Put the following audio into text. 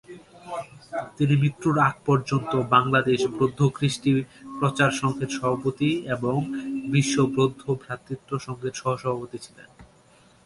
তিনি মৃত্যুর আগ পর্যন্ত বাংলাদেশ বৌদ্ধ কৃষ্টি প্রচার সংঘের সভাপতি এবং বিশ্ব বৌদ্ধ ভ্রাতৃত্ব সংঘের সহ-সভাপতি ছিলেন।